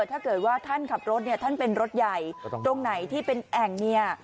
ถ้าเกิดว่าท่านขับรถเนี่ยท่านเป็นรถใหญ่ตรงไหนที่เป็นแอ่งเนี่ย